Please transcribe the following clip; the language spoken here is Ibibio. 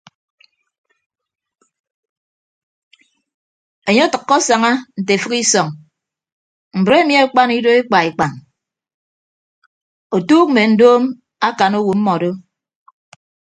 Enye otәkko asaña nte efịk isọñ mbre emi akpan ido ekpa ekpañ otuuk mme ndoom akan owo mmọdo.